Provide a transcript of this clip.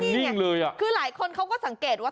นี่ไงคือหลายคนเขาก็สังเกตว่า